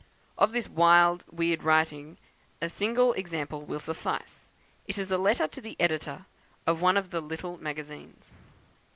Of this wild weird writing, a single example will suffice. It is a letter to the editor of one of the "Little Magazines."